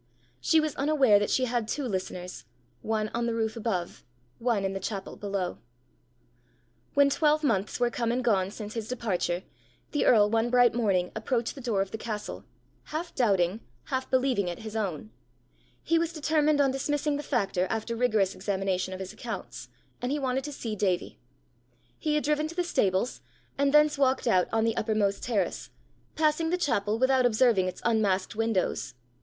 She was unaware that she had two listeners one on the roof above, one in the chapel below. When twelve months were come and gone since his departure, the earl one bright morning approached the door of the castle, half doubting, half believing it his own: he was determined on dismissing the factor after rigorous examination of his accounts; and he wanted to see Davie. He had driven to the stables, and thence walked out on the uppermost terrace, passing the chapel without observing its unmasked windows.